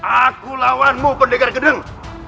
aku lawanmu pendekar gedeng